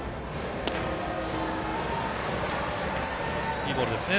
いいボールですね。